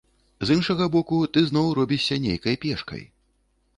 З іншага боку, ты зноў робішся нейкі пешкай.